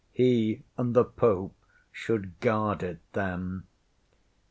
(He and the Pope should guard it, then!)